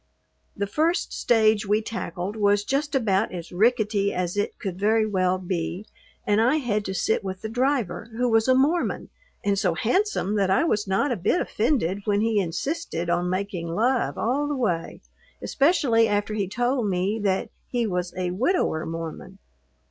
The first stage we tackled was just about as rickety as it could very well be and I had to sit with the driver, who was a Mormon and so handsome that I was not a bit offended when he insisted on making love all the way, especially after he told me that he was a widower Mormon.